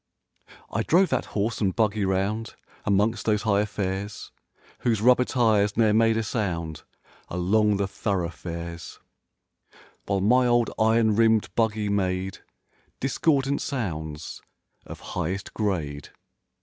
I drove that horse and buggy 'round Amongst those high affairs Whose rubber tires ne'er made a sound Along the thoroughfares; 23 While my old iron rimmed buggy made Discordant sounds of highest grade.